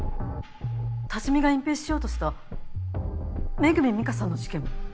多治見が隠蔽しようとした恵美佳さんの事件も。